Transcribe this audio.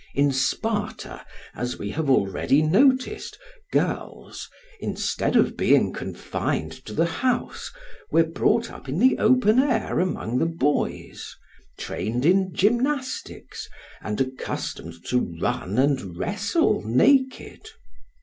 In Sparta as we have already noticed, girls, instead of being confined to the house, were brought up in the open air among the boys, trained in gymnastics and accustomed to run and wrestle naked.